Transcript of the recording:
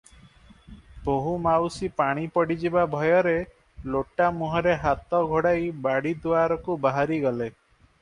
ବୋହୂମାଉସୀ ପାଣି ପଡ଼ିଯିବା ଭୟରେ ଲୋଟା ମୁହଁରେ ହାତ ଘୋଡ଼ାଇ ବାଡ଼ି ଦୁଆରକୁ ବାହାରିଗଲେ ।